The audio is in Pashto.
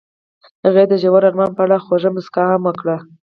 هغې د ژور آرمان په اړه خوږه موسکا هم وکړه.